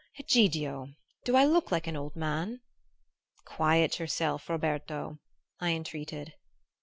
Egidio! do I look like an old man?" "Quiet yourself, Roberto," I entreated.